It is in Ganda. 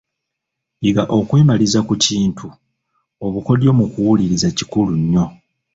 Yiga okwemaliza ku kintu . Obukodyo mu kuwuliriza kikulu nnyo.